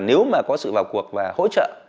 nếu mà có sự vào cuộc và hỗ trợ